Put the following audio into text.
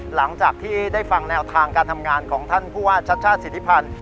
หลังจากที่ได้ฟังแนวทางการทำงานของท่านผู้ว่าชัดศิริพาณ